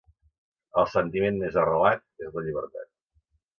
El sentiment més arrelat és la llibertat.